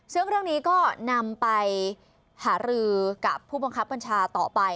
ซึ่งเรื่องนี้ก็นำไปหารือกับผู้บังคับบัญชาต่อไป